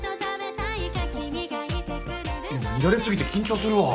見られすぎて緊張するわ。